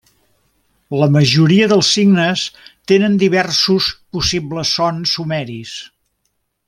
La majoria dels signes tenen diversos possibles sons sumeris.